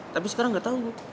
tapi sekarang gak tau bro